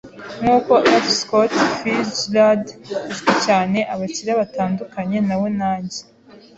Nkuko F. Scott Fitzgerald uzwi cyane, abakire baratandukanye nawe nanjye.